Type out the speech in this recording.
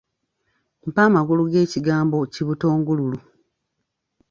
Mpa amakulu g'ekigambo kibutongululu.